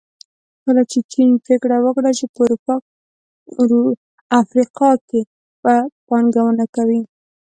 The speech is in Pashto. کله چې چین پریکړه وکړه چې په افریقا کې به پانګونه کوي.